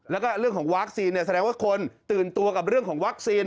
แล้วก็เรื่องของวัคซีนแสดงว่าคนตื่นตัวกับเรื่องของวัคซีน